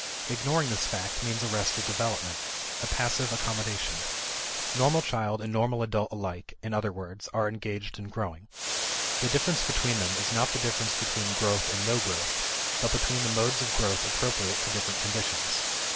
Ignoring this fact means arrested development, a passive accommodation. Normal child and normal adult alike, in other words, are engaged in growing. The difference between them is not the difference between growth and no growth, but between the modes of growth appropriate to different conditions.